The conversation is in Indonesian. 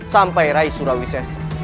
sampai rai surawisesa